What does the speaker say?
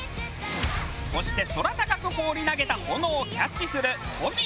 そして空高く放り投げた炎をキャッチするトギ。